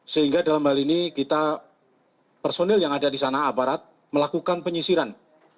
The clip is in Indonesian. sehingga dalam hal ini kita personil yang ada di sana aparat melakukan penyisiran